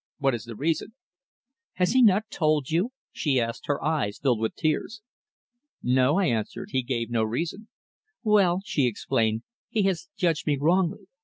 What is the reason?" "Has he not told you?" she asked, her eyes filled with tears. "No," I answered. "He gave no reason." "Well," she explained, "he has judged me wrongly.